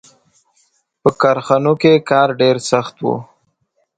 • په کارخانو کې کار ډېر سخت و.